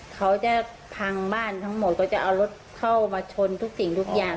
เขาจะพังบ้านทั้งหมดก็จะเอารถเข้ามาชนทุกสิ่งทุกอย่าง